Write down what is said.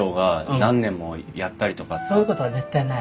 そういうことは絶対ない。